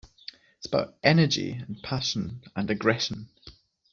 It's about energy, and passion, and aggression.